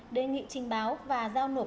đề nghị trình báo và giao nộp